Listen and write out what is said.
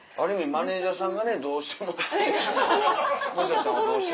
マネジャーさんがねどうしてもって。